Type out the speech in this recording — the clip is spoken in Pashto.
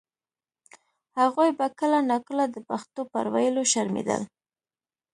هغوی به کله نا کله د پښتو پر ویلو شرمېدل.